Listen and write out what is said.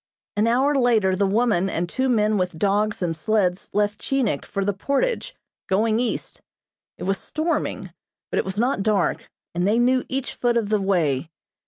An hour later, the woman and two men with dogs and sleds left Chinik for the Portage, going east. It was storming, but it was not dark, and they knew each foot of the way.